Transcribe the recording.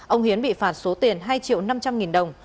ông hiến bị phạt số tiền hai triệu năm trăm linh nghìn đồng